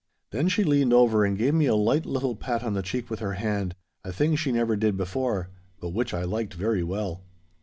Then she leaned over and gave me a light little pat on the cheek with her hand—a thing she never did before, but which I liked very well.